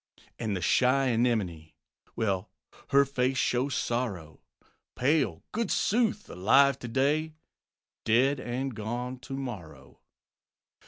And the shy Anemone Well, her face shows sorrow; Pale, goodsooth! alive to day, Dead and gone to morrow.